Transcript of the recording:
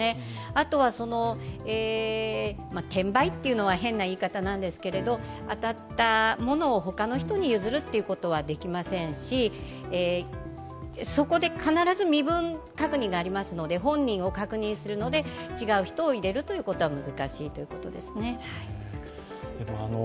あとは転売というのは変な言い方ですが、当たったものを他の人に譲るということはできませんしそこで必ず身分確認がありますので本人を確認するので、違う人を入れるというのは難しいということですね。